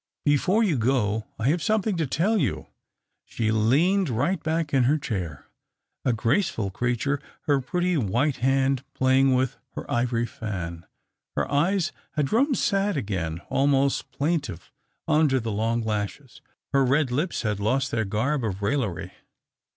" Before you go, I have something to tell )^0U." She leaned rio; ht back in her chair, a o race :"ul creature, her pretty white hand playing tvith her ivory fan. Her eyes had grown sad igain, almost plaintive under the long lashes. Eler red lips had lost their garb of raillery.